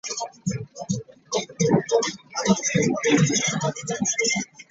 Tewali yali amanyi nti ndizaala ku mwana nange.